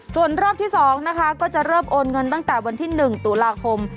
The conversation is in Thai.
ส่วนรอบที่๒นะคะก็จะเริ่มโอนเงินตั้งแต่วันที่๑ตุลาคม